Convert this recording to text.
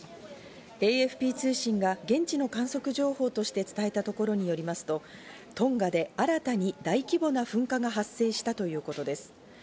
ＡＦＰ通信が現地の観測情報として伝えたところによりますと、トンガで新たに大規模な噴火が発生したということです。